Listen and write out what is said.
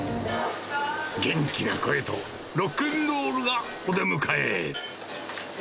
元気な声と、ロックンロールがお出迎え。